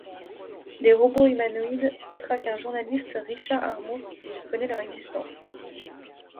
Des robots humanoïdes traquent un journaliste, Richard Armour, qui connaît leur existence.